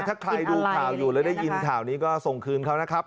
ถ้าใครดูข่าวอยู่และได้ยินข่าวนี้ก็ส่งคืนเขานะครับ